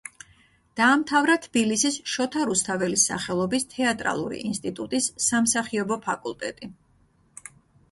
დაამთავრა თბილისის შოთა რუსთაველის სახელობის თეატრალური ინსტიტუტის სამსახიობო ფაკულტეტი.